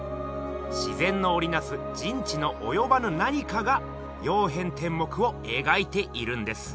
自然のおりなす人知のおよばぬ何かが「曜変天目」をえがいているんです。